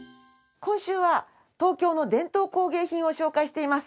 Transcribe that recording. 今週は東京の伝統工芸品を紹介しています。